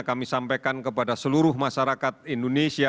kami sampaikan kepada seluruh masyarakat indonesia